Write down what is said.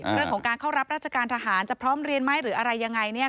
เรื่องของการเข้ารับราชการทหารจะพร้อมเรียนไหมหรืออะไรยังไงเนี่ย